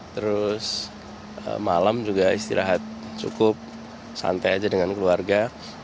terus malam juga istirahat cukup santai aja dengan keluarga